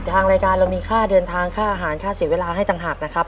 ทางรายการเรามีค่าเดินทางค่าอาหารค่าเสียเวลาให้ต่างหากนะครับ